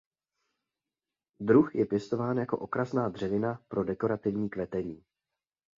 Druh je pěstován jako okrasná dřevina pro dekorativní kvetení.